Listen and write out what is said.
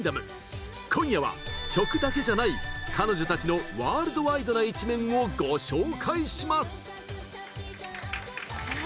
今夜は、曲だけじゃない彼女たちのワールドワイドな一面をご紹介します！